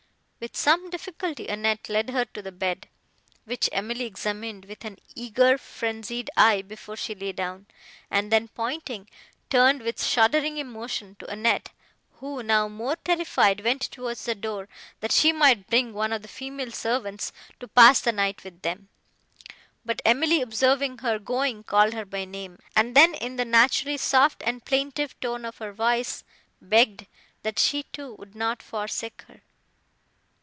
With some difficulty, Annette led her to the bed, which Emily examined with an eager, frenzied eye, before she lay down, and then, pointing, turned with shuddering emotion, to Annette, who, now more terrified, went towards the door, that she might bring one of the female servants to pass the night with them; but Emily, observing her going, called her by name, and then in the naturally soft and plaintive tone of her voice, begged, that she, too, would not forsake her.